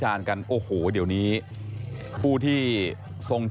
ให้เขาดูดิว่าคนที่เรา